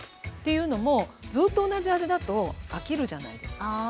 というのもずっと同じ味だと飽きるじゃないですか。